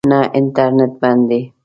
نه، انټرنېټ بند دی